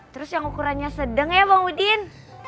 terus yang ukurannya sedang ya bang udin